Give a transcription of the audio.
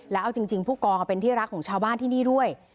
แล้วเอาจริงผู้กองเป็นที่รักของชาวบ้านที่นี่ด้วย